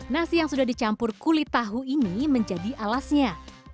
nasi yang sudah dicampur kulit tahu ini menjadi alasnya